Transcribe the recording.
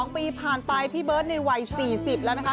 ๒ปีผ่านไปพี่เบิร์ตในวัย๔๐แล้วนะคะ